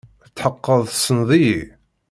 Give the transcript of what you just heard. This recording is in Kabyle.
Tetḥeqqeḍ tessneḍ-iyi?